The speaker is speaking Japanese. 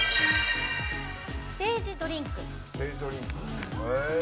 ステージドリンク。